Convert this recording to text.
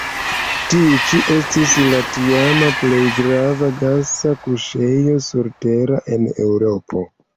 Tiu ĉi estis la tiama plej grava gasa kuŝejo surtera en Eŭropo.